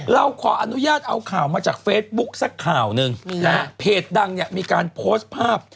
เราขออนุญาตเอาข่าวมาจากเฟซบุ๊คสักข่าวหนึ่งนะฮะเพจดังเนี่ยมีการโพสต์ภาพ